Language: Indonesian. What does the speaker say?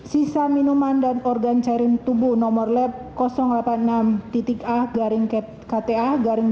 sisa minuman dan organ cairin tubuh nomor lab delapan puluh enam a kta dua ribu enam belas